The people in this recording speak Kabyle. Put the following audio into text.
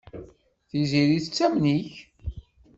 Tiziri tettamen-ik.